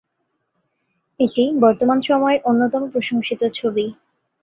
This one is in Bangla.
এটি বর্তমান সময়ের অন্যতম প্রশংসিত ছবি।